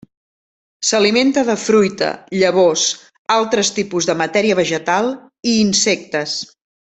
S'alimenta de fruita, llavors, altres tipus de matèria vegetal i insectes.